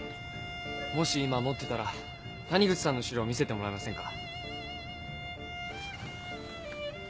もし今持ってたら谷口さんの資料を見せてもらえませんか？